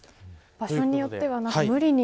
場所によっては、無理に